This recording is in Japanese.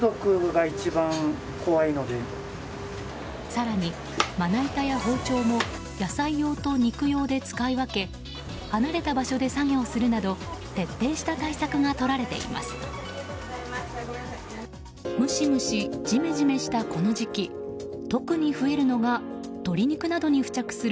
更に、まな板や包丁も野菜用と肉用で使い分け離れた場所で作業するなど徹底した対策がとられています。